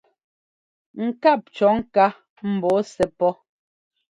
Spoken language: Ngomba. Ŋkáp cɔ̌ ŋká mbɔɔ sɛ́ pɔ́.